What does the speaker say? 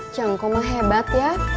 cuk kamu mah hebat ya